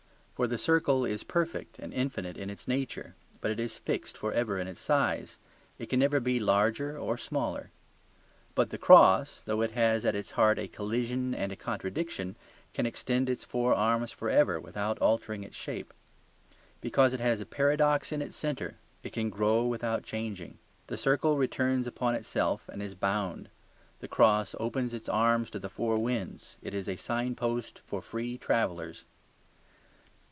For the circle is perfect and infinite in its nature; but it is fixed for ever in its size; it can never be larger or smaller. But the cross, though it has at its heart a collision and a contradiction, can extend its four arms for ever without altering its shape. Because it has a paradox in its centre it can grow without changing. The circle returns upon itself and is bound. The cross opens its arms to the four winds; it is a signpost for free travellers.